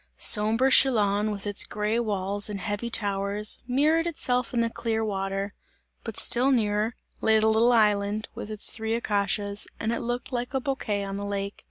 Sombre Chillon, with its grey walls and heavy towers, mirrored itself in the clear water; but still nearer lay the little island, with its three acacias, and it looked like a bouquet on the lake.